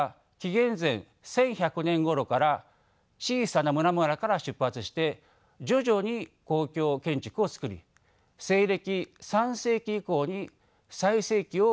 １１００年ごろから小さな村々から出発して徐々に公共建築を造り西暦３世紀以降に最盛期を迎えたとされていました。